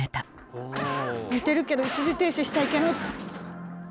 似てるけど一時停止しちゃいけない。